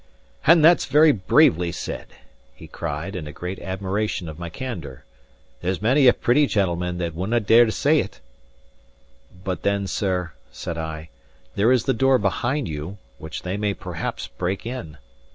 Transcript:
"And that's very bravely said," he cried, in a great admiration of my candour. "There's many a pretty gentleman that wouldnae dare to say it." "But then, sir," said I, "there is the door behind you, which they may perhaps break in."